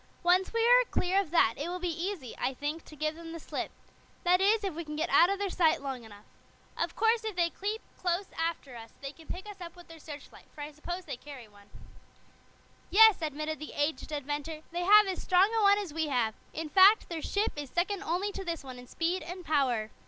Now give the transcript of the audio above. "Once we are clear of that it will be easy, I think, to give them the slip. That is, if we can get out of their sight long enough. Of course, if they keep close after us, they can pick us up with their searchlight, for I suppose they carry one." "Yes," admitted the aged inventor, "they have as strong a one as we have. In fact, their ship is second only to this one in speed and power.